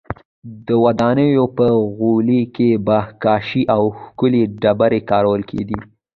د ودانیو په غولي کې به کاشي او ښکلې ډبرې کارول کېدې